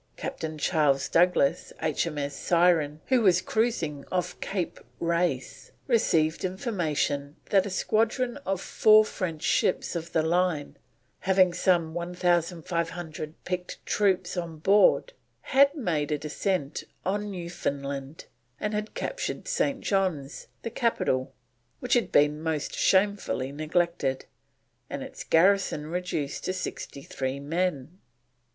Captain Charles Douglas, H.M.S. Syren, who was cruising off Cape Race, received information that a squadron of four French ships of the line, having some 1500 picked troops on board, had made a descent on Newfoundland, and had captured St. John's, the capital, which had been most shamefully neglected, and its garrison reduced to 63 men.